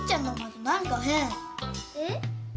えっ？